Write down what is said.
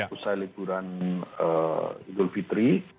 usai liburan ibu fitri